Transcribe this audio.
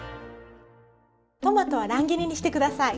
トマトは乱切りにして下さい。